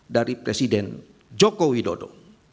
dari presiden joko widodo